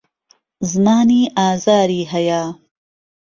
زمانی ئازاری هەیە.